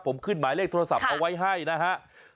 ผมขึ้นหมายเลขโทรศัพท์เอาไว้ให้นะครับ